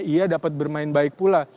ia dapat bermain baik pula